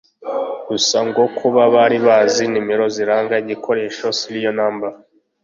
Gusa ngo kuba bari bazi nimero ziranga igikoresho (serial number)